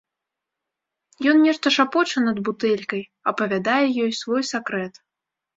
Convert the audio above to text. Ён нешта шапоча над бутэлькай, апавядае ёй свой сакрэт.